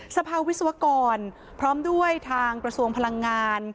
สภาวิศวกรพร้อมด้วยทางกระทรวงพลังงาน